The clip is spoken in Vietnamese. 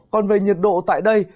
còn về nhiệt độ tại đây